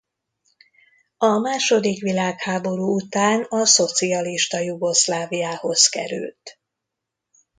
A második világháború után a szocialista Jugoszláviához került.